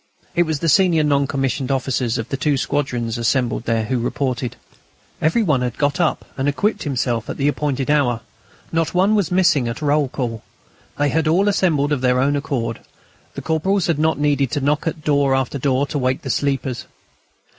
_" It was the senior non commissioned officers of the two squadrons assembled there who reported. Every one had got up and equipped himself at the appointed hour; not one was missing at roll call; they had all assembled of their own accord; the corporals had not needed to knock at door after door to wake the sleepers.